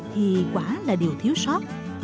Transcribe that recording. thì quả là điều thiếu sót